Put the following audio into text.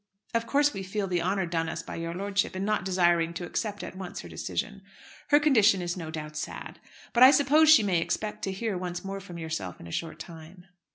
Of course we feel the honour done us by your lordship in not desiring to accept at once her decision. Her condition is no doubt sad. But I suppose she may expect to hear once more from yourself in a short time."